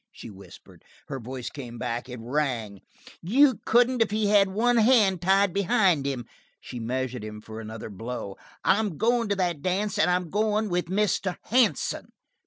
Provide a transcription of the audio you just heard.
she whispered. Her voice came back; it rang: "You couldn't if he had one hand tied behind him." She measured him for another blow. "I'm going to that dance and I'm going with Mr. Hansen."